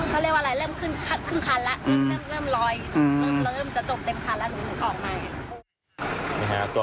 ทะเลวัลเริ่มขึ้นคาระเริ่มรอยเริ่มจะจบเต็มคาระหนึ่งออกมา